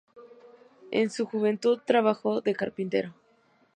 En su juventud trabajó de carpintero.